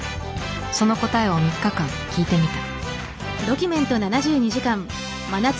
その答えを３日間聞いてみた。